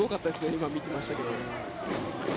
今、見ていましたけど。